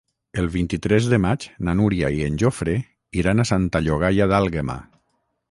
El vint-i-tres de maig na Núria i en Jofre iran a Santa Llogaia d'Àlguema.